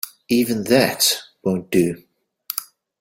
Even that won't do.